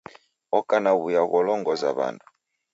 Oko na w'uya gholongoza w'andu.